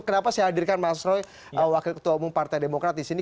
kenapa saya hadirkan mas roy wakil ketua umum partai demokrat di sini